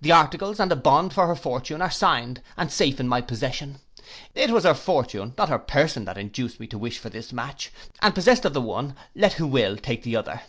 The articles, and a bond for her fortune, are signed, and safe in my possession. It was her fortune, not her person, that induced me to wish for this match, and possessed of the one, let who will take the other.